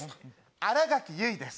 新垣結衣です。